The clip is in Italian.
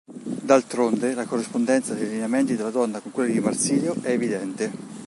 D`altronde, "la corrispondenza dei lineamenti della donna con quelli di Marsilio", è evidente.